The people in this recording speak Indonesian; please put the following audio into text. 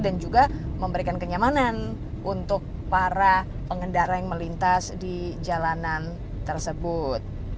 dan juga memberikan kenyamanan untuk para pengendara yang melintas di jalanan tersebut